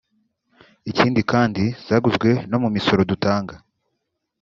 ikindi kandi zaguzwe no mu misoro dutanga